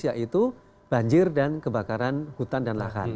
yaitu banjir dan kebakaran hutan dan lahan